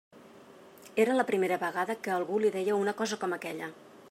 Era la primera vegada que algú li deia una cosa com aquella.